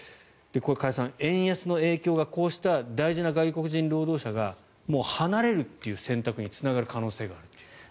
加谷さん、円安の影響がこうした大事な外国人労働者がもう離れるという選択につながる可能性があるという。